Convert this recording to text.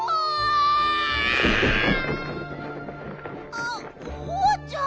あっホワちゃん！